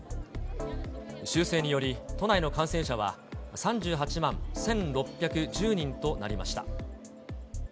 修正により、都内の感染者は３８万１６１０人となりました。